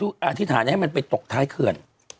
แล้วก็ขออธิษฐานให้มันไปตกท้ายเคือน